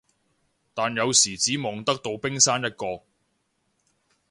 但有時只望得到冰山一角